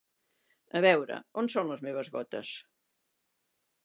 A veure, on són les meves gotes?